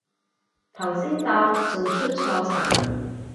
頭先搭仲出錯層